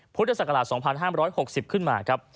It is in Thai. พศ๒๕๖๐ขึ้นมาครับ